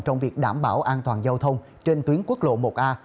trong việc đảm bảo an toàn giao thông trên tuyến quốc lộ một a